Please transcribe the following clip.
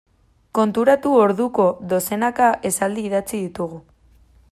Konturatu orduko dozenaka esaldi idatzi ditugu.